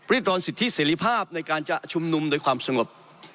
รอนสิทธิเสรีภาพในการจะชุมนุมโดยความสงบ